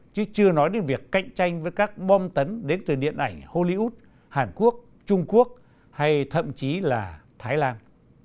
chứ chưa nói đến việc cạnh tranh với các bom tấn đến từ điện ảnh hollywood hàn quốc trung quốc hay thậm chí là thái lan